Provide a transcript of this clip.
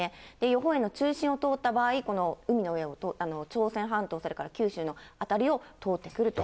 予報円の中心を通った場合、この海の上を、朝鮮半島、それから九州の辺りを通ってくると。